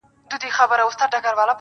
ښه به وي چي دا يې خوښـــه ســـوېده~